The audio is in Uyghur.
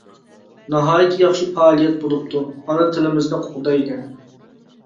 ناھايىتى ياخشى پائالىيەت بولۇپتۇ. ئانا تىلىمىزنى قوغدايلى!